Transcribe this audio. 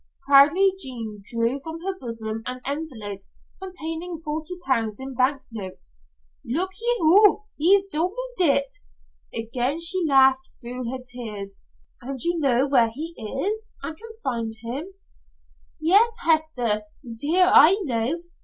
Proudly Jean drew from her bosom an envelope containing forty pounds in bank notes. "Look ye, hoo he's doubl't it?" Again she laughed through her tears. "And you know where he is and can find him?" "Yes, Hester, dear, I know.